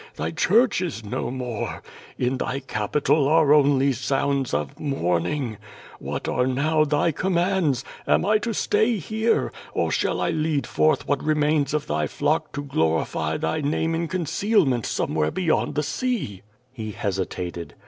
Thy Church is no more. In Thy capital are only sounds of mourning. WTiat are now Thy commands? Am I to stay here, or shall I lead forth what remains of Thy flock to glorify Thy name in concealment somewhere beyond the sear' He hesitated.